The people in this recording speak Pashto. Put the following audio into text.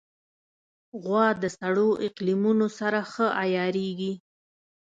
غوا د سړو اقلیمونو سره ښه عیارېږي.